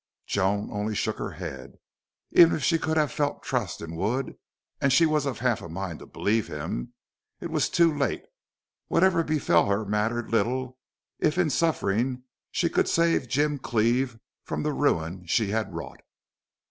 Joan only shook her head. Even if she could have felt trust in Wood and she was of half a mind to believe him it was too late. Whatever befell her mattered little if in suffering it she could save Jim Cleve from the ruin she had wrought.